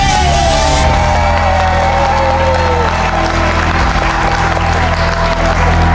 ได้ครับ